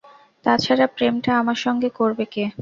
তা ছাড়া প্রেমটা আমার সঙ্গে করবে কে?